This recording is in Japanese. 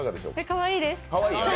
かわいいです。